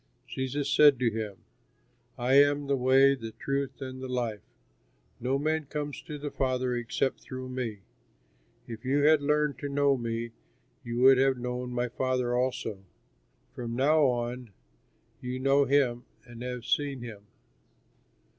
Jesus said to him, "I am the way, the truth, and the life; no man comes to the Father except through me. If you had learned to know me, you would have known my Father also; from now on you know him and have seen him."